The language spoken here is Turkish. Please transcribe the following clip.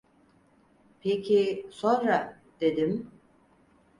Peki, sonra? dedim.